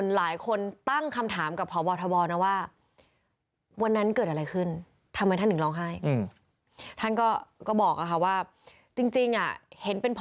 หลายคนตั้งคำถามกับพวทวอนว่าวันนั้นเกิดอะไรขึ้น